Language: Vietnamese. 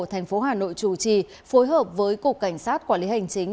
tp hà nội chủ trì phối hợp với cục cảnh sát quản lý hành chính